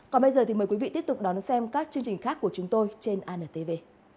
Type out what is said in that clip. còn bây giờ thì mời quý vị tiếp tục đón xem các chương trình khác của chúng tôi trên antv